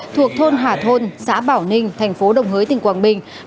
thuộc thôn hà thôn xã bảo ninh thành phố đồng hới tỉnh quảng bình